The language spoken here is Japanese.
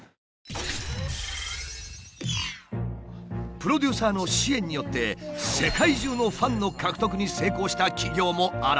プロデューサーの支援によって世界中のファンの獲得に成功した企業も現れた。